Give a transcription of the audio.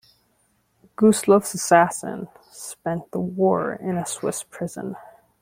Gustloff's assassin spent the war in a Swiss prison.